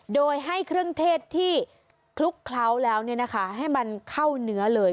โดยให้เครื่องเทศที่คลุกเคล้าแล้วให้มันเข้าเนื้อเลย